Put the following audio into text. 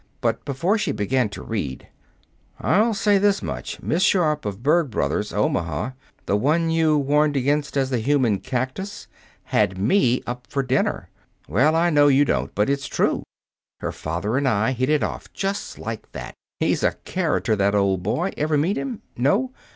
But, before she began to read: "I'll say this much. Miss Sharp, of Berg Brothers, Omaha the one you warned against as the human cactus had me up for dinner. Well, I know you don't, but it's true. Her father and I hit it off just like that. He's a character, that old boy. Ever meet him? No?